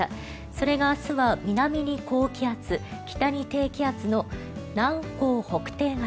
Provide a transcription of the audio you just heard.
それが明日は南に高気圧北に低気圧の南高北低型。